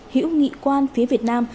hữu nghị quan phía việt nam